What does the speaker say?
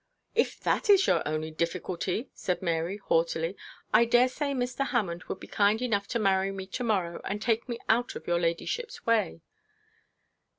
'If that is your only difficulty,' said Mary, haughtily, 'I dare say Mr. Hammond would be kind enough to marry me to morrow, and take me out of your ladyship's way.'